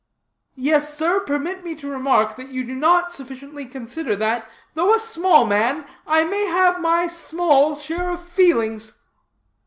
Yes, sir, permit me to remark that you do not sufficiently consider that, though a small man, I may have my small share of feelings."